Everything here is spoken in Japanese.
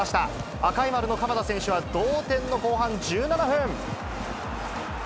赤い丸の鎌田選手は、同点の後半１７分。